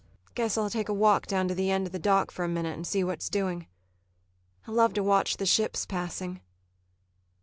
] Guess I'll take a walk down to the end of the dock for a minute and see what's doing. I love to watch the ships passing.